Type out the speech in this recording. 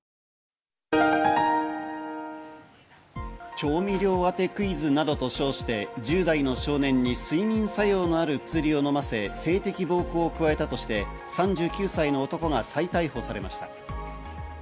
調味料当てクイズなどと称して１０代の少年に睡眠作用のある薬を飲ませ、性的暴行を加えたとして、３９歳の男が再逮捕されました。